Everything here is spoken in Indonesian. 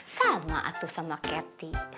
sama tuh sama kety